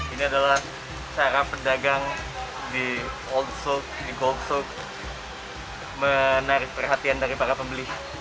ini adalah cara pedagang di old soke di gold soke menarik perhatian dari para pembeli